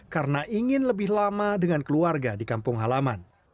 karena ingin lebih lama dengan keluarga di kampung halaman